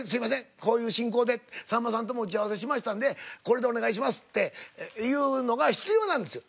こういう進行でさんまさんとも打ち合わせしましたんでこれでお願いしますっていうのが必要なんですよ。